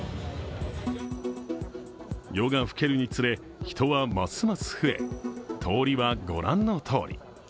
夜が更けるにつれ、人はますます増え通りは御覧のとおり。